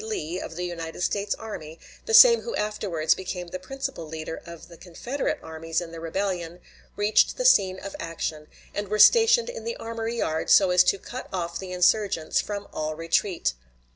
Lee, of the United States army, the same who afterwards became the principal leader of the Confederate armies in the rebellion, reached the scene of action, and were stationed in the armory yard so as to cut off the insurgents from all retreat.